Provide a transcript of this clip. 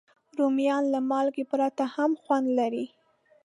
رومیان له مالګې پرته هم خوند لري